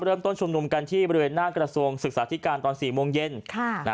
เริ่มต้นชุมนุมกันที่บริเวณหน้ากระทรวงศึกษาธิการตอน๔โมงเย็น